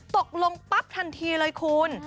ตกลงปั๊บทันทีเลยคุณ